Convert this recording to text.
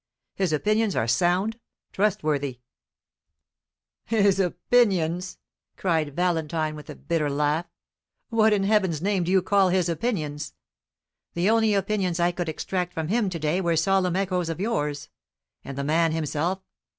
His opinions are sound, trustworthy " "His opinions!" cried Valentine with a bitter laugh; "what in heaven's name do you call his opinions? The only opinions I could extract from him to day were solemn echoes of yours. And the man himself!